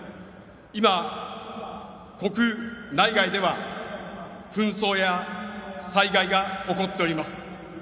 今、国内外では紛争や災害が起こっております。